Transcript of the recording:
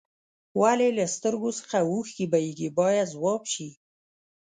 ولې له سترګو څخه اوښکې بهیږي باید ځواب شي.